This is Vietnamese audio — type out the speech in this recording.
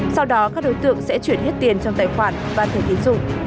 sau đó các đối tượng sẽ chuyển hết tiền trong tài khoản và thể thiết dụng